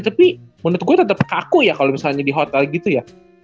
tapi menurut gue tetap kaku ya kalau misalnya di hotel gitu ya